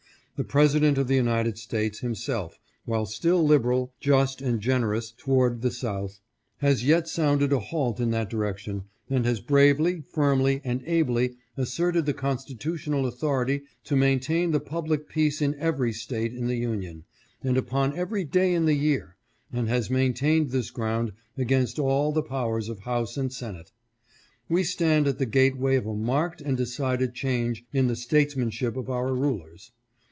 The President of the United States himself, while still liberal, just, and generous toward the South, has yet sounded a halt in that direction, and has bravely, firmly, and ably asserted the constitutional authority to maintain the public peace in every State in the Union and upon every day in the year, and has maintained this ground against all the powers of House and Senate. " We stand at the gateway of a marked and decided change in the GOVERNMENT MUST ENFORCE THE CONSTITUTION. 529 statesmanship of our rulers.